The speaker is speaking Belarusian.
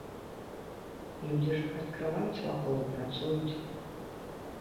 Людзі ж іх адкрываюць вакол і працуюць.